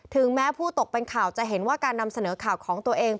แม้ผู้ตกเป็นข่าวจะเห็นว่าการนำเสนอข่าวของตัวเอง